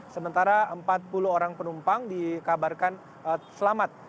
sementara empat puluh orang penumpang dikabarkan selamat